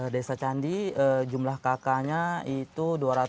desa candi jumlah kk nya itu dua ratus dua puluh tujuh